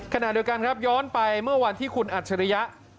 ขณะเดียวกันครับย้อนไปเมื่อวันที่คุณอัจฉริยะ